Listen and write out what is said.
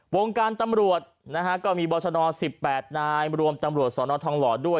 วงการตำรวจนะฮะก็มีบรชน๑๘นายรวมตำรวจสนทองหล่อด้วย